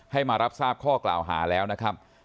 มารับทราบข้อกล่าวหาแล้วนะครับ